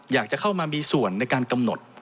อยากจะเข้ามามีส่วนในการกำหนด